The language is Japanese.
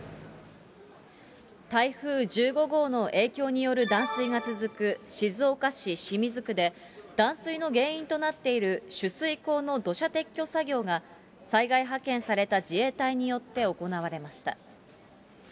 台風１５号の影響による断水が続く静岡市清水区で、断水の原因となっている取水口の土砂撤去作業が、災害派遣された自衛隊によって行われました。